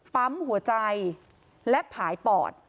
ปั๊มหัวใจและผายปอด